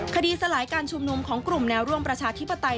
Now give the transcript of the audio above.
สลายการชุมนุมของกลุ่มแนวร่วมประชาธิปไตย